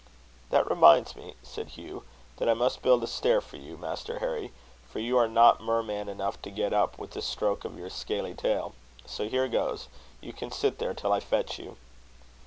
"That reminds me," said Hugh, "that I must build a stair for you, Master Harry; for you are not merman enough to get up with a stroke of your scaly tail. So here goes. You can sit there till I fetch you."